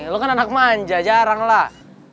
lo kan anak manja jarang lah